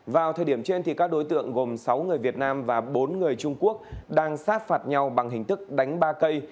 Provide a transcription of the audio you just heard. vào thời điểm trên các đối tượng gồm sáu người việt nam và bốn người trung quốc đang sát phạt nhau bằng hình thức đánh ba cây